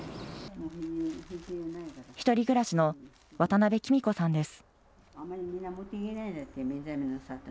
１人暮らしの渡邊君子さんです。